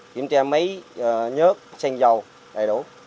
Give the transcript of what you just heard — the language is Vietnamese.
kiếm tia máy nhớt xanh dầu đầy đủ